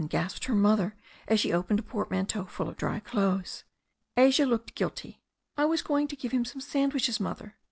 gasped her mother, as she opened a portmanteau full of dry clothes. Asia looked guilty. "I was going to give him some sandwiches, Mother.